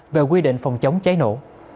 về quy định phòng chống cháy nổ